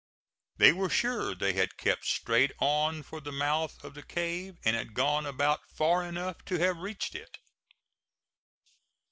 They were sure they had kept straight on for the mouth of the cave, and had gone about far enough to have reached it.